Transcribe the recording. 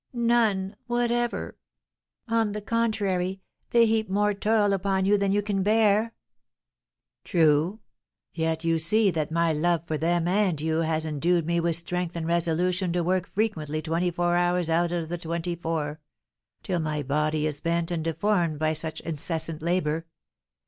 None whatever; on the contrary, they heap more toil upon you than you can bear." "True; yet you see that my love for them and you has endued me with strength and resolution to work frequently twenty hours out of the twenty four, till my body is bent and deformed by such incessant labour.